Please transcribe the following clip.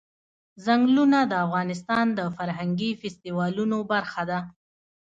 ځنګلونه د افغانستان د فرهنګي فستیوالونو برخه ده.